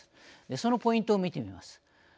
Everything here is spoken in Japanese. そのポイントを見てみます。